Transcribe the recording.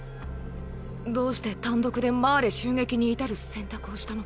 どうして単独でマーレ襲撃に至る選択をしたのか。